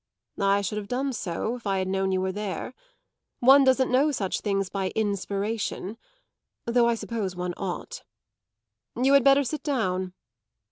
"I should have done so if I had known you were there. One doesn't know such things by inspiration though I suppose one ought. You had better sit down."